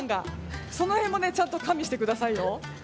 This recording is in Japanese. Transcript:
その辺も加味してくださいよ。